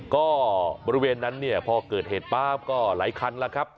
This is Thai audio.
ก็บริเวณนั้นเนี่ยพอเกิดเหตุป๊าบก็หลายคันแล้วครับ